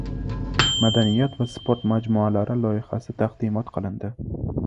Madaniyat va sport majmualari loyihasi taqdimot qilindi.